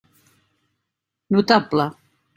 Notable.